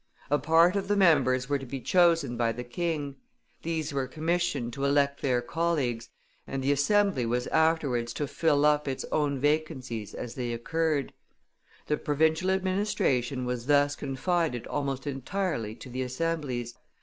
A part of the members were to be chosen by the king; these were commissioned to elect their colleagues, and the assembly was afterwards to fill up its own vacancies as they occurred. The provincial administration was thus confided almost entirely to the assemblies.